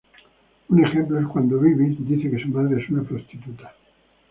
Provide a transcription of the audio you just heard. Un ejemplo es cuando Beavis dice que su madre es una prostituta.